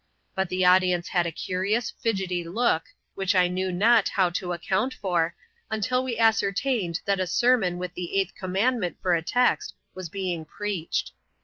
But the audience had a curious, fidgety look, which I knew not how to account for, until we ascertained that a sermon with the eighth commandment for a text was being preached.